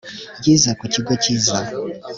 Yize kukigo cyiza